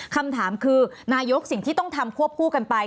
คำถามคือนายกสิ่งที่ต้องทำควบคู่กันไป